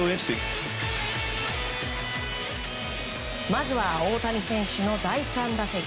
まずは大谷選手の第３打席。